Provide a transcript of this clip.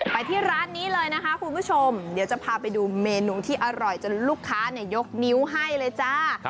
ไปที่ร้านนี้เลยนะคะคุณผู้ชมเดี๋ยวจะพาไปดูเมนูที่อร่อยจนลูกค้ายกนิ้วให้เลยจ้า